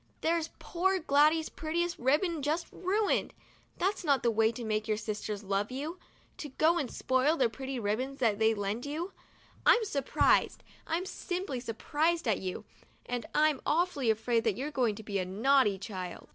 There's poor Gladys's prettiest ribbon just ruined ! That's not the way to make your sisters love you, to go and spoil the pretty ribbons that they lend you. I'm surprised, I'm simply surprised at you, and I'm awfully afraid that you're going to be a naughty child